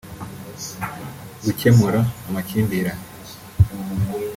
gukemura amakimbirane